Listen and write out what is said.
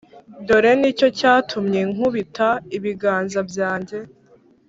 Dore ni cyo cyatumye nkubita ibiganza byanjye